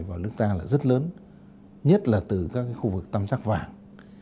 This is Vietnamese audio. và nước ta là rất lớn nhất là từ các khu vực tăm chắc vàng